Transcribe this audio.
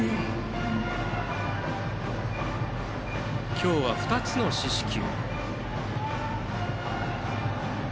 今日は２つの四死球。